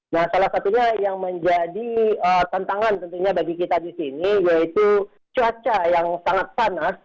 nah salah satunya yang menjadi tantangan tentunya bagi kita di sini yaitu cuaca yang sangat panas